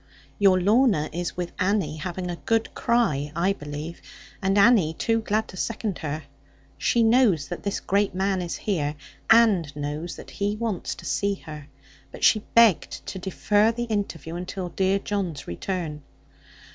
'Your Lorna is with Annie, having a good cry, I believe; and Annie too glad to second her. She knows that this great man is here, and knows that he wants to see her. But she begged to defer the interview, until dear John's return.'